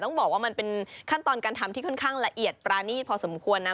ต้องบอกว่ามันเป็นขั้นตอนการทำที่ค่อนข้างละเอียดปรานีตพอสมควรนะ